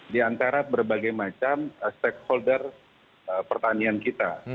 di antara berbagai macam stakeholder pertanian kita